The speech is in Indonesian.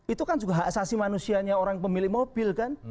itu kan juga hak asasi manusianya orang pemilik mobil kan